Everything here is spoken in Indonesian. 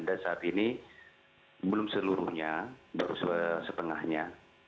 dan saat ini belum seluruhnya baru setengahnya